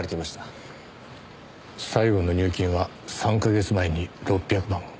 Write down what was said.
最後の入金は３か月前に６００万。